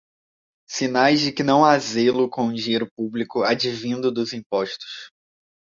Sinais de que não há zelo com o dinheiro público advindo dos impostos